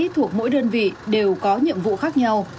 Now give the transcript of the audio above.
thuộc mỗi đơn vị đều có nhiệm vụ khác nhau